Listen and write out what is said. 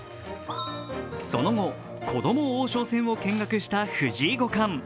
その後、子ども王将戦を見学した藤井五冠。